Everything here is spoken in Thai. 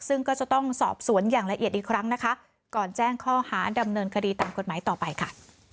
ซึ่งก็จะต้องสอบสวนอย่างละเอียดอีกครั้งนะคะก่อนแจ้งข้อหาดำเนินคดีตามกฎหมายต่อไปค่ะ